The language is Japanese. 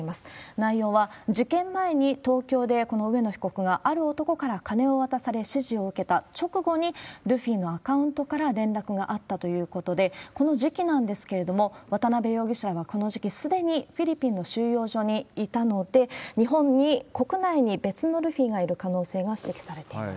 内容は、事件前に東京でこの上野被告が、ある男から金を渡され指示を受けた直後にルフィのアカウントから連絡があったということで、この時期なんですけれども、渡辺容疑者はこの時期すでにフィリピンの収容所にいたので、日本に、国内に別のルフィがいる可能性が指摘されています。